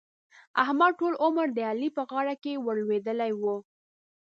احمد؛ ټول عمر د علي په غاړه کې ور لوېدلی وو.